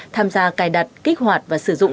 tham gia cài đặt kích hoạt và sử dụng